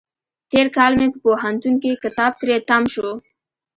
تېر کال مې په پوهنتون کې کتاب تری تم شو.